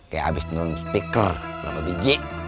kayak abis nulun speaker berapa biji